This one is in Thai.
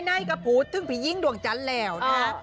ไหนก็พูดถึงผียิ่งดวงจันทร์แล้วนะฮะ